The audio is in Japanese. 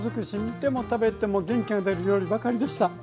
見ても食べても元気が出る料理ばかりでした。